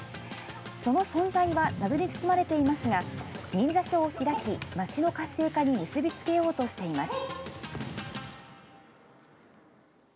その存在は謎に包まれていますが、忍者ショーを開き、街の活性化に結び付けようとしています。